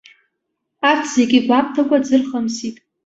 Арҭ зегьы гәамҭакәа дзырхымсит.